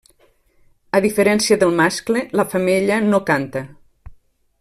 A diferència del mascle, la femella no canta.